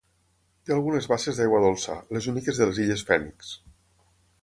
Té algunes basses d'aigua dolça, les úniques de les illes Fènix.